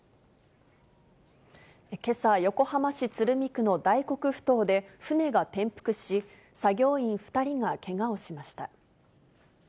けさ、横浜市鶴見区の大黒ふ頭で船が転覆し、作業員２人がけがをしました。